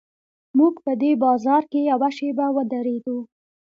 موږ په دې بازار کې یوه شېبه ودرېدو.